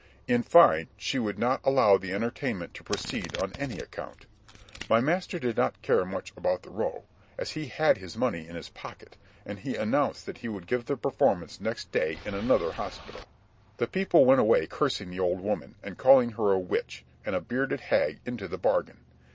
In fine, she would not allow the entertainment to proceed on any account. My master did not care much about the row, as he had his money in his pocket, and he announced that he would give the performance next day in another hospital. The people went away cursing the old woman, and calling her a witch, and a bearded hag into the bargain.